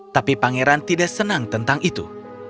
tapi pangeran tidak senang tentang itu